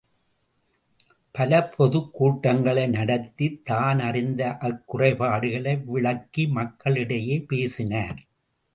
பல பொதுக் கூட்டங்களை நடத்தி தானறிந்த அக்குறைபாடுகளை விளக்கி மக்கள் இடையே பேசினார்.